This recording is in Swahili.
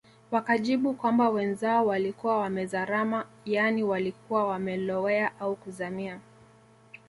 Wakajibu kwamba wenzao walikuwa wamezarama yaani walikuwa wamelowea au kuzamia